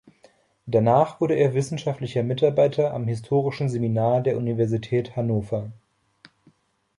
Danach wurde er wissenschaftlicher Mitarbeiter am Historischen Seminar der Universität Hannover.